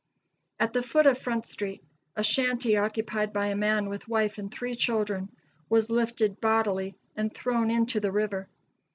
At the foot of Front street, a shanty occupied by a man with wife and three children was lifted bodily and thrown into the river.